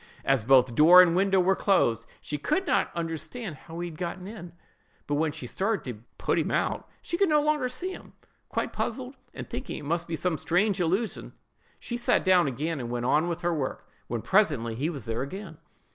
As both door and window were closed, she could not understand how he had got in; but when she started up to put him out, she could no longer see him. Quite puzzled, and thinking it must be some strange illusion, she sat down again and went on with her work, when, presently, he was there again.